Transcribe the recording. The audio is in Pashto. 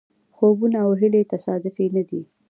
خوبونه او هیلې تصادفي نه دي.